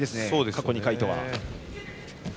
過去２回とは。